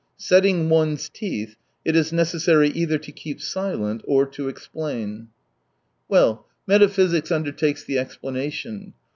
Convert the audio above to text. Setting one's teeth, it is necessary either to keep silent or — to explain. 200 Well, metaphysics undertakes the explanation.